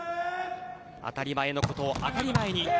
当たり前のことを当たり前に。